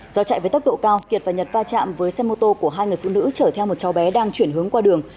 do chạy với tốc độ cao kiệt và nhật va chạm với xe mô tô của hai người phụ nữ chở theo một cháu bé đang chuyển hướng qua đường